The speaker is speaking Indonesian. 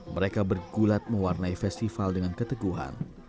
mereka bergulat mewarnai festival dengan keteguhan